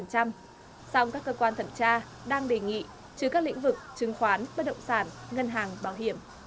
sau đó các cơ quan thẩm tra đang đề nghị chứa các lĩnh vực chứng khoán bất động sản ngân hàng bảo hiểm